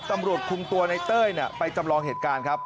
ตำรวจคุมตัวในเต้ยไปจำลองเหตุการณ์ครับ